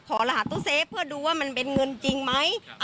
รหัสตู้เซฟเพื่อดูว่ามันเป็นเงินจริงไหม